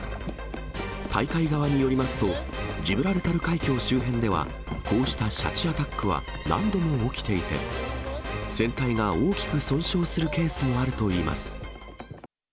大会側によりますと、ジブラルタル海峡周辺では、こうしたシャチ・アタックは何度も起きていて、船体が大きく損傷するケースもあるといいます。